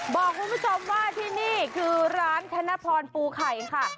บอกคุณผู้ชมว่าที่นี่คือร้านธนพรปูไข่ค่ะ